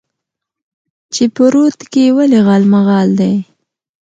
چې په رود کې ولې غالمغال دى؟